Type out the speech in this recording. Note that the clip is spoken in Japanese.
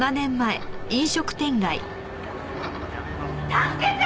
助けて！